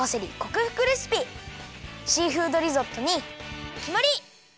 シーフードリゾットにきまり！